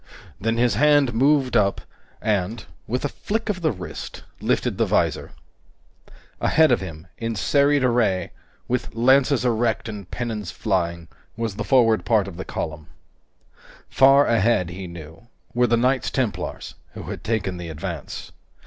Then his hand moved up and, with a flick of the wrist, lifted the visor. Ahead of him, in serried array, with lances erect and pennons flying, was the forward part of the column. Far ahead, he knew, were the Knights Templars, who had taken the advance.